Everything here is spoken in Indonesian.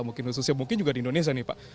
mungkin khususnya mungkin juga di indonesia nih pak